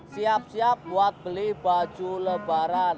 siap siap buat beli baju lebaran